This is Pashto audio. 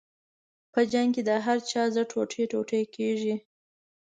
په جنګ کې د هر چا زړه ټوټې ټوټې کېږي.